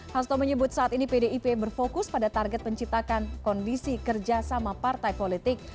hasto menyebut saat ini pdip berfokus pada target menciptakan kondisi kerjasama partai politik